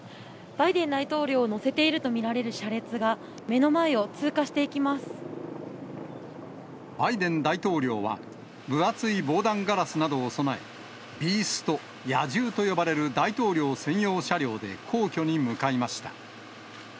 バイデン大統領を乗せていると見られる車列が、目の前を通過してバイデン大統領は、分厚い防弾ガラスなどを備え、ビースト・野獣と呼ばれる大統領専用車両で皇居に向かいました。